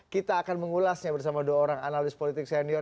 kita akan mengulasnya bersama dua orang analis politik senior